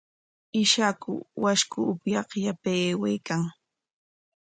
Ishaku washku upyaq yapay aywaykan.